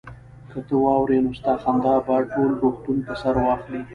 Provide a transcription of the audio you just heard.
که ته واورې نو ستا خندا به ټول روغتون په سر واخلي